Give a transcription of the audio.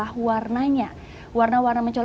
itu air yang lebih varian pula